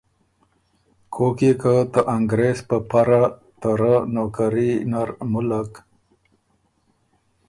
کوک يې که ته انګرېز په پره ته رۀ نوکري نر مُلّک،